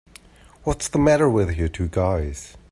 What's the matter with you two guys?